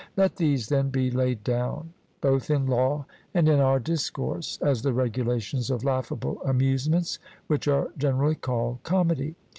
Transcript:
Let these then be laid down, both in law and in our discourse, as the regulations of laughable amusements which are generally called comedy.